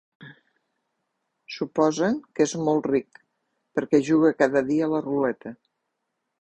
Suposen que és molt ric, perquè juga cada dia a la ruleta.